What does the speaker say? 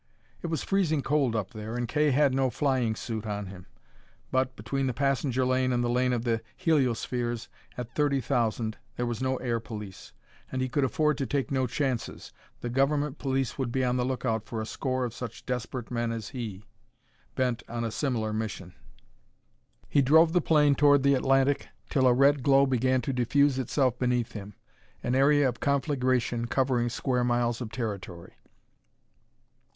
It was freezing cold up there, and Kay had no flying suit on him, but, between the passenger lane and the lane of the heliospheres, at thirty thousand, there was no air police. And he could afford to take no chances. The Government police would be on the lookout for a score such desperate men as he, bent on a similar mission. He drove the plane toward the Atlantic till a red glow began to diffuse itself beneath him, an area of conflagration covering square miles of territory.